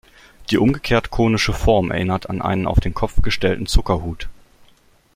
Die umgekehrt konische Form erinnert an einen auf den Kopf gestellten Zuckerhut.